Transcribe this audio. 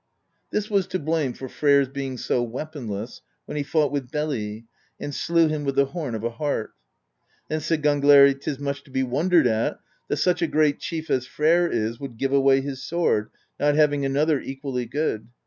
This was to blame for Freyr's being so weaponless, when he fought with Beli, and slew him with the horn of a hart." Then said Gangleri: "'T is much to be wondered at, that such a great chief as Freyr is would give away his sword, not having another equally good.